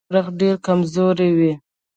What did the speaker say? د فزیکي اړخه ډېر کمزوري وي.